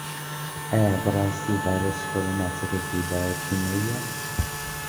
ئایا بەڕاستی ڤایرۆسی کۆرۆنا چەکێکی بایۆکیمیایییە؟